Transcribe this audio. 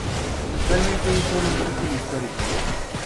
Actualmente es solo un título histórico.